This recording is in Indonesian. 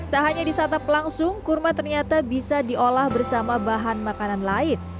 tak hanya disantap langsung kurma ternyata bisa diolah bersama bahan makanan lain